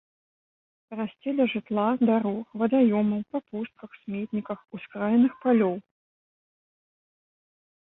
Расце ля жытла, дарог, вадаёмаў, па пустках, сметніках, ускраінах палёў.